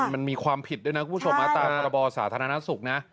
มันมีความผิดด้วยนะคุณผู้ชมตามพรบสาธารณสุขนะ